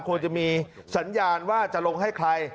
ควรจะมีสัญญาณว่าจะลงให้ใคร